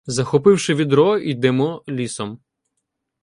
Захопивши відро, йдемо лісом.